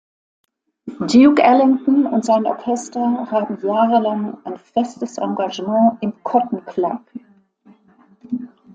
Duke Ellington und sein Orchester haben jahrelang ein festes Engagement im Cotton Club.